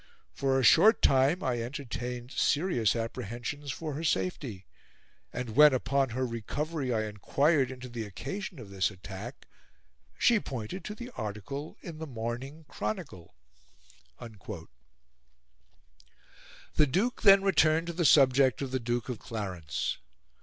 For a short time I entertained serious apprehensions for her safety; and when, upon her recovery, I enquired into the occasion of this attack, she pointed to the article in the Morning Chronicle." The Duke then returned to the subject of the Duke of Clarence.